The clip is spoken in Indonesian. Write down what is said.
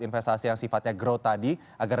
investasi yang sifatnya growth tadi agar